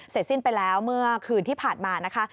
เสร็จสิ้นไปแล้วเมื่อคืนที่ผ่านมานะคะ